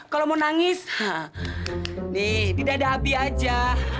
kalau mau nangis nih di dada abi aja